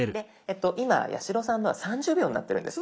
今八代さんのは３０秒になってるんです。